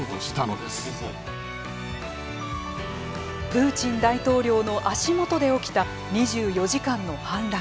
プーチン大統領の足元で起きた２４時間の反乱。